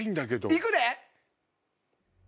行くで！